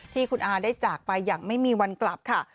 ที่คุณอาได้จากไปอย่างไม่มีวันกลับค่ะ